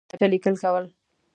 ځوان پر کتابچه لیکل کول.